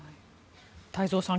太蔵さん